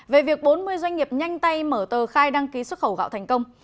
về việc bốn mươi doanh nghiệp nhanh tay mở tờ khai đăng ký xuất khẩu gạo thành công